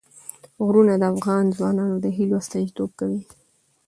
غرونه د افغان ځوانانو د هیلو استازیتوب کوي.